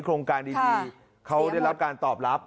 โครงการดีเขาได้รับการตอบรับ